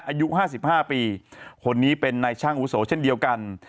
อายุ๕๕ปีคนนี้เป็นนายช่างอาวุโสเช่นเดียวกัน